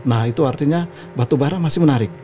nah itu artinya batubara masih menarik